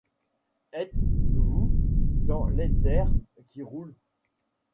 Êtes, -vous, dans l’éther qui roule